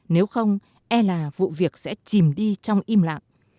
nếu không e là vụ việc sẽ chìm đi trong im lặng